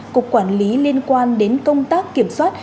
cục quản lý liên quan đến công tác kiểm soát